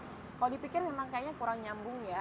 kalau dipikir memang kayaknya kurang nyambung ya